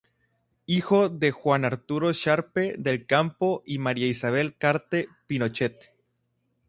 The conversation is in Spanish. Hijo de Juan Arturo Sharpe del Campo y María Isabel Carte Pinochet.